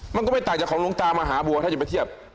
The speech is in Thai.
มันก็ไม่ต่างจากของหลวงตามหาบัวถ้าจะไปเทียบ